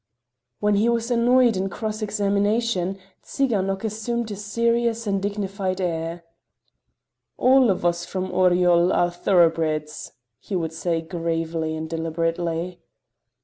When he was annoyed in cross examination, Tsiganok assumed a serious and dignified air: "All of us from Oryol are thoroughbreds," he would say gravely and deliberately.